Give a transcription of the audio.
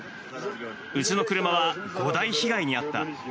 うちの車は５台被害に遭った。